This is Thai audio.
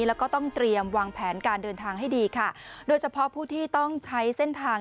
แล้วก็ต้องเตรียมวางแผนการเดินทางให้ดีค่ะโดยเฉพาะผู้ที่ต้องใช้เส้นทาง